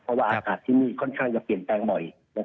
เพราะว่าอากาศที่นี่ค่อนข้างจะเปลี่ยนแปลงบ่อย